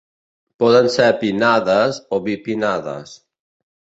Poden ser pinnades o bipinnades.